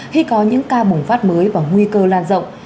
khi có những ca bùng phát mới và nguy cơ lan rộng